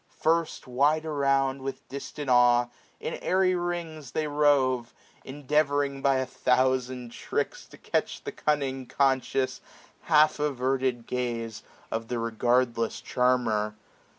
First, wide around. With distant awe, in airy rings they rove ; Endeavouring by a thousand tricks to catch The cunning, conscious, half averted glance 620 Of the regardless charmer.